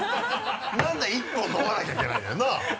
何で１本飲まなきゃいけないんだよなぁ？